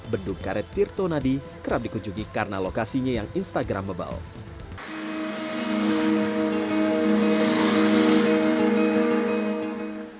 bendung karet tirtonadi kerap dikunjungi karena lokasinya yang instagramable